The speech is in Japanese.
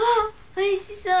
おいしそう。